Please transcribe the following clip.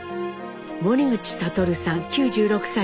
森口智さん９６歳です。